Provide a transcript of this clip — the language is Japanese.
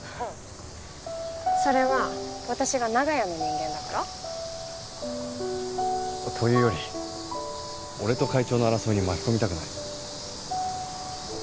それは私が長屋の人間だから？というより俺と会長の争いに巻き込みたくない。